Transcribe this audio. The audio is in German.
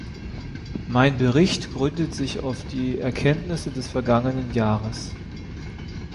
Mein Bericht gründet sich auf die Erkenntnisse des vergangenen Jahres.